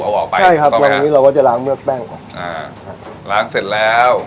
เอาออกไปใช่ครับวันนี้เราก็จะล้างมือแป้งก่อนอ่าล้างเสร็จแล้ว